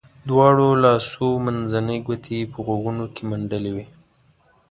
دواړو لاسو منځنۍ ګوتې یې په غوږونو کې منډلې وې.